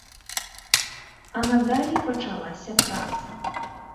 А надалей пачалася праца.